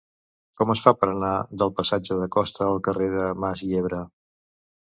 Com es fa per anar del passatge de Costa al carrer de Mas Yebra?